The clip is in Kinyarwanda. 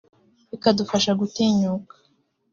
bikadufasha gutinyuka”